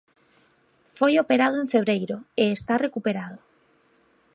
Foi operado en febreiro e está recuperado.